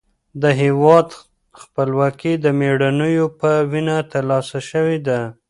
د هېواد خپلواکي د مېړنیو په وینه ترلاسه شوې ده.